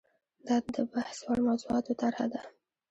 دا د بحث وړ موضوعاتو طرحه ده.